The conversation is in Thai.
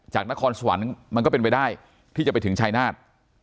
นครสวรรค์มันก็เป็นไปได้ที่จะไปถึงชายนาฏ